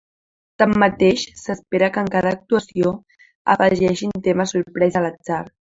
Tanmateix, s’espera que en cada actuació afegeixin temes sorpresa a l’atzar.